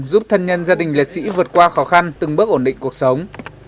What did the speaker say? giúp thân nhân gia đình liệt sĩ vượt qua khó khăn từng bước ổn định cuộc sống